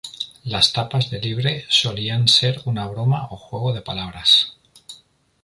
Las tapas de Libre solían ser una broma o juego de palabras.